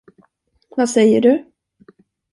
Vad säger du?